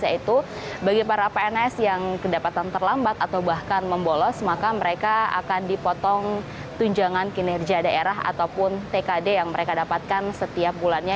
yaitu bagi para pns yang kedapatan terlambat atau bahkan membolos maka mereka akan dipotong tunjangan kinerja daerah ataupun tkd yang mereka dapatkan setiap bulannya